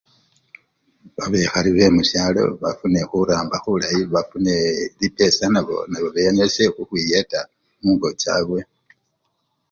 Babekhali be mushalo bafune khuramba khulayi bafune lipesa nabo bemeshe khuhwiyeta mungo chabwe